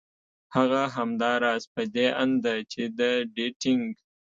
هغه همدا راز په دې اند ده چې د ډېټېنګ